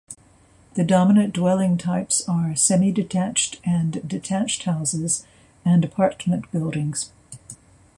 The dominant dwelling types are semi-detached and detached houses, and apartment buildings.